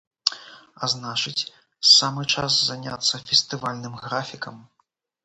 А значыць, самы час заняцца фестывальным графікам.